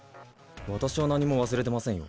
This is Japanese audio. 私は何も忘れてませんよ。